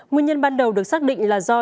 nguyên nhân ban đầu được xác định là do tàn nạn